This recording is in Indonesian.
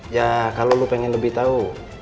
ya kalau lo pengen lebih tahu